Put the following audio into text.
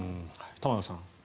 玉川さん。